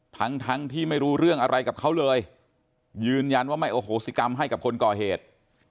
ทั้งทั้งที่ไม่รู้เรื่องอะไรกับเขาเลยยืนยันว่าไม่โอโหสิกรรมให้กับคนก่อเหตุ